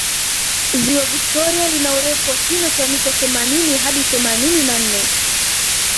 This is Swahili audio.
ziwa victoria lina urefu wa kina cha mita themanini hadi themanini na nne